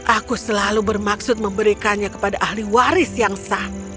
aku selalu bermaksud memberikannya kepada ahli waris yang sah